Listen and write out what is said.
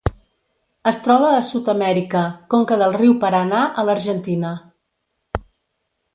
Es troba a Sud-amèrica: conca del riu Paranà a l'Argentina.